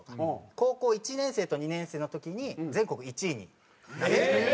高校１年生と２年生の時に全国１位になって。